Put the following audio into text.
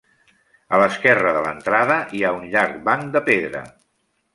A l'esquerra de l'entrada, hi ha un llarg banc de pedra.